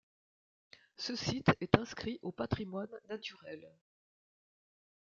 Ce site est inscrit au patrimoine naturel.